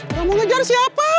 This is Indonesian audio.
kamu kejar siapa